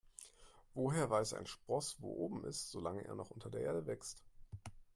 Woher weiß ein Spross, wo oben ist, solange er noch unter der Erde wächst?